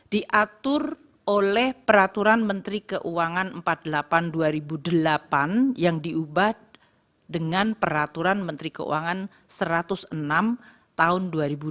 diatur oleh peraturan menteri keuangan empat puluh delapan dua ribu delapan yang diubah dengan peraturan menteri keuangan satu ratus enam tahun dua ribu dua puluh